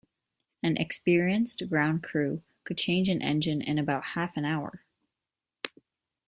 An experienced ground crew could change an engine in about half an hour.